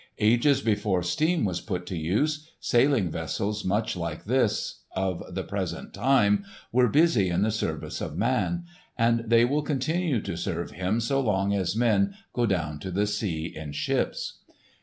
Ages before steam was put to use, sailing vessels much like this of the present time were busy in the service of man. And they will continue to serve him so long as men "go down to the sea in ships."